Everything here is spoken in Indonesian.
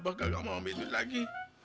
hah abah gak mau ambil ini lagi